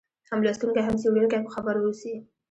هم لوستونکی هم څېړونکی په خبر واوسي.